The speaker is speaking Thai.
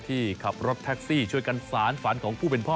ที่ขับรถแท็กซี่ช่วยกันสารฝันของผู้เป็นพ่อ